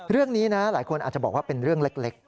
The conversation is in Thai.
เรื่องนี้นะหลายคนอาจจะบอกว่าเป็นเรื่องเล็ก